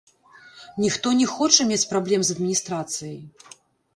Ніхто не хоча мець праблем з адміністрацыяй.